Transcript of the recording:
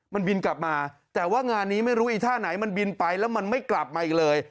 มันบินกลับมาแต่ว่างานนี้ไม่รู้อีท่าไหนมันบินไปแล้วมันไม่กลับมาอีกเลย